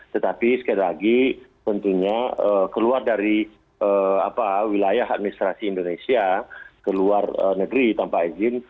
tetapi sekali lagi tentunya keluar dari wilayah administrasi indonesia ke luar negeri tanpa izin